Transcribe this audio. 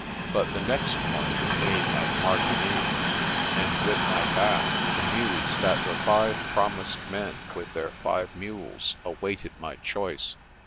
But the next morning came at Martigny, and with my bath the news that the five promised men with their five mules awaited my choice.